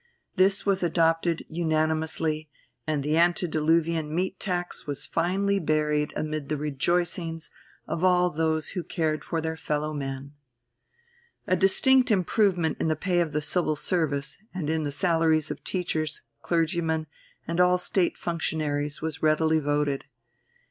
This was adopted unanimously, and the antediluvian meat tax was finally buried amid the rejoicings of all those who cared for their fellow men. A distinct improvement in the pay of the Civil Service, and in the salaries of teachers, clergymen, and all State functionaries was readily voted.